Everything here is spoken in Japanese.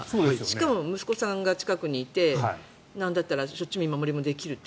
しかも息子さんが近くにいてなんだったらしょっちゅう見守りもできると。